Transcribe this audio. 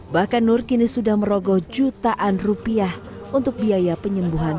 bahkan nur kini sudah merogoh jutaan rupiah untuk biaya penyembuhan